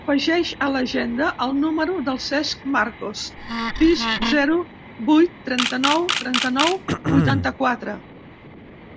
Afegeix a l'agenda el número del Cesc Marcos: sis, zero, vuit, trenta-nou, trenta-nou, vuitanta-quatre.